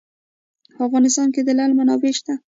په افغانستان کې د لعل منابع شته.